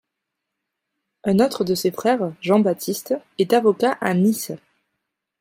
Un autre de ses frères, Jean-Baptiste est avocat à Nice.